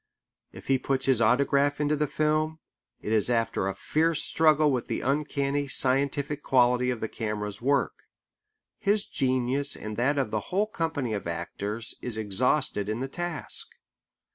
If he puts his autograph into the film, it is after a fierce struggle with the uncanny scientific quality of the camera's work. His genius and that of the whole company of actors is exhausted in the task.